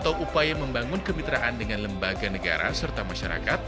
dalam negara kita seluruh negara agar berperg